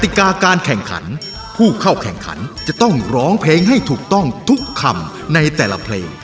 ติกาการแข่งขันผู้เข้าแข่งขันจะต้องร้องเพลงให้ถูกต้องทุกคำในแต่ละเพลง